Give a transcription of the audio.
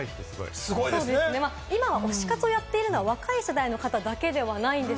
今、推し活をやっているのは若い方、若い世代だけではないんです。